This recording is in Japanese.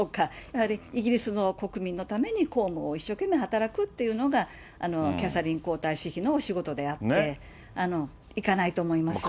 やはりイギリスの国民のために公務を一生懸命働くっていうのが、キャサリン皇太子妃のお仕事であって、行かないと思います。